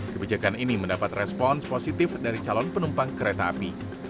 kebijakan ini mendapat respons positif dari calon penumpang kereta api